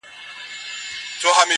نن: سیاه پوسي ده,